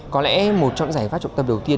có lẽ một trọn giải pháp trọng tâm đầu tiên